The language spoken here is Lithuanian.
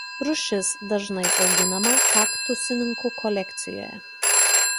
Rūšis dažnai auginama kaktusininkų kolekcijose.